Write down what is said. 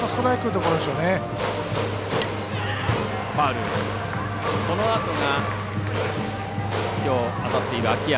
このあとがきょう当たっている秋山。